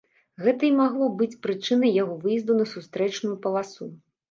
Гэта і магло быць прычынай яго выезду на сустрэчную паласу.